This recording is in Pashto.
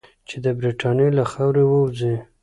چې د برټانیې له خاورې ووځي.